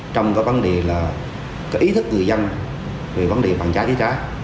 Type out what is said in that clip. trong vấn đề ý thức người dân về vấn đề phòng cháy chữa cháy